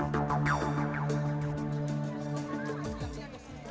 berbeza saja dengan tiket jaylon one